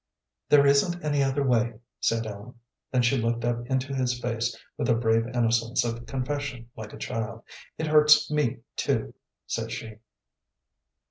"There isn't any other way," said Ellen. Then she looked up into his face with a brave innocence of confession like a child. "It hurts me, too," said she.